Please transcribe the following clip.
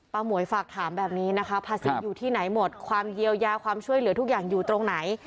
หมวยฝากถามแบบนี้นะคะภาษีอยู่ที่ไหนหมดความเยียวยาความช่วยเหลือทุกอย่างอยู่ตรงไหน